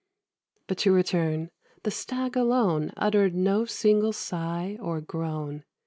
But to return. The Stag alone Uttered no single sigh or groan.